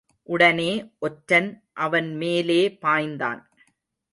உடனே ஒற்றன் அவன் மேலே பாய்ந்தான்.